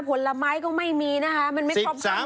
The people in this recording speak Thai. ผลไม้ก็ไม่มีนะฮะ